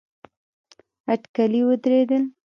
اټکلي ودرېدل.